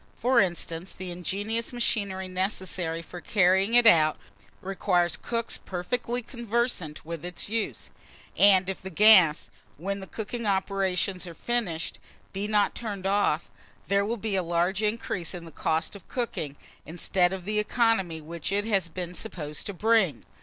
For instance, the ingenious machinery necessary for carrying it out, requires cooks perfectly conversant with its use; and if the gas, when the cooking operations are finished, be not turned off, there will be a large increase in the cost of cooking, instead of the economy which it has been supposed to bring.